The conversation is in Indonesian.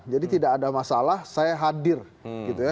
jadi tidak ada masalah saya hadir gitu ya